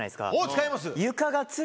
使います！